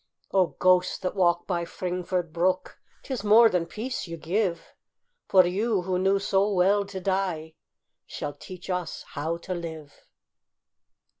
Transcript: O ghosts that walk by Fringford brook, 'Tis more than peace you give, For you, who knew so well to die, Shall teach us how to live.